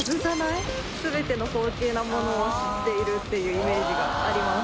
全ての高級なものを知っているっていうイメージがあります。